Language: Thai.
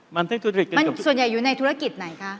มันส่วนใหญ่อยู่ในธุรกิจไหนคะ